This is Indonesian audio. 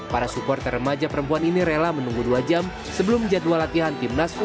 para supporter remaja perempuan ini rela menunggu dua jam sebelum jadwal latihan timnas u dua puluh